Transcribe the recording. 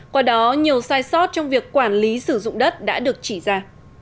qua đó nhiều sai sót trong việc quản lý sử dụng đất đã được chỉ ra